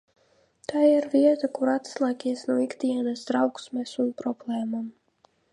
Tā ir vieta, kur atslēgties no ikdienas trauksmes un problēmām.